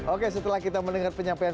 oke setelah kita mendengar penyampaian